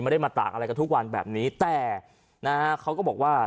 ไม่ได้มาตากอะไรกันทุกวันแบบนี้แต่นะฮะเขาก็บอกว่า